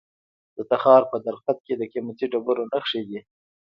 د تخار په درقد کې د قیمتي ډبرو نښې دي.